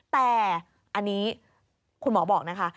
แต่อันนี้คุณหมอบอกนะคะ